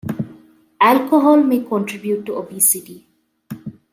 Alcohol may contribute to obesity.